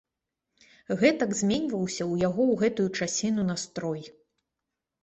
Гэтак зменьваўся ў яго ў гэтую часіну настрой.